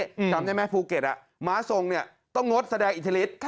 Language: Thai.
จำได้ไหมภูเก็ตม้าทรงเนี่ยต้องงดแสดงอิทธิฤทธิ์